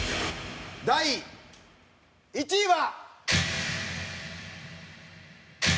第１位は。